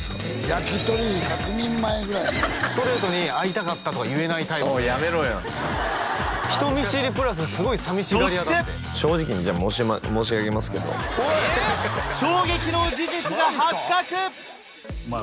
焼き鳥１００人前ぐらいストレートに「会いたかった」とか言えないタイプでおいやめろよ人見知りプラスそして正直にじゃあ申し上げますけどまあ